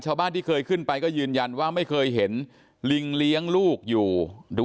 ชาวบ้านที่เคยขึ้นไปก็ยืนยันว่าไม่เคยเห็นลิงเลี้ยงลูกอยู่หรือ